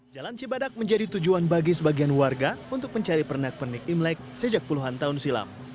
jalan cibadak menjadi tujuan bagi sebagian warga untuk mencari pernak pernik imlek sejak puluhan tahun silam